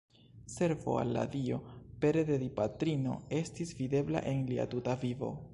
Servo al la Dio pere de Dipatrino estis videbla en lia tuta vivo.